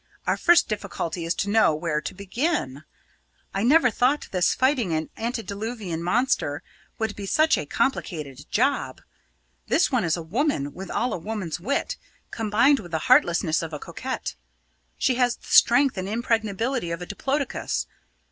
Our first difficulty is to know where to begin. I never thought this fighting an antediluvian monster would be such a complicated job. This one is a woman, with all a woman's wit, combined with the heartlessness of a cocotte. She has the strength and impregnability of a diplodocus.